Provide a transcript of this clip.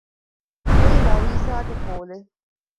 އެއީ ލަރީސާގެ ކޯލެއް